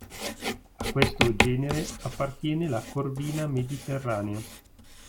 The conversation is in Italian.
A questo genere appartiene la corvina mediterranea.